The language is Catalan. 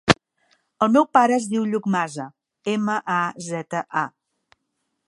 El meu pare es diu Lluc Maza: ema, a, zeta, a.